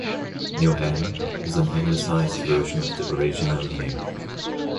"Newhalen" is an Anglicized version of the original name.